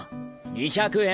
２００円！